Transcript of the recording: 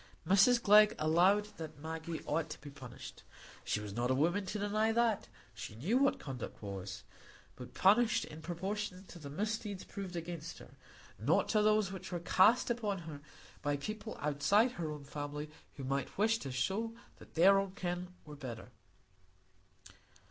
Mrs Glegg allowed that Maggie ought to be punished,—she was not a woman to deny that; she knew what conduct was,—but punished in proportion to the misdeeds proved against her, not to those which were cast upon her by people outside her own family who might wish to show that their own kin were better.